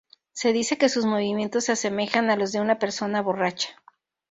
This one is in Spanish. Se dice que sus movimientos se asemejan a los de una persona borracha.